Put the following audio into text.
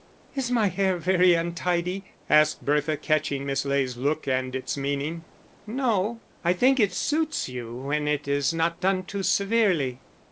"Is my hair very untidy?" asked Bertha, catching Miss Ley's look and its meaning. "No, I think it suits you when it is not done too severely."